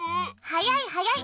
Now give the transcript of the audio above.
はやいはやい。